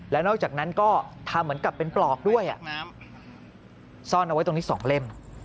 แล้วนอกจากนั้นก็ทำเหมือนกับเป็นปลอกด้วยซ่อนเอาไว้ตรงนี้๒เล่ม